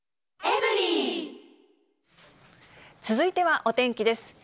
続いてはお天気です。